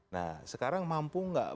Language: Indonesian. nah sekarang mampu gak